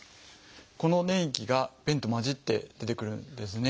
この粘液が便と混じって出てくるんですね。